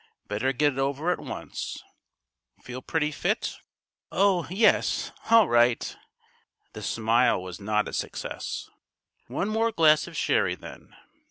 Better get it over at once. Feel pretty fit?" "Oh, yes; all right!" The smile was not a success. "One more glass of sherry, then.